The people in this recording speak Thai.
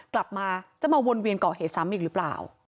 กลับมาจะมาวนเวียนก่อเหตุซ้ำอีกหรือเปล่า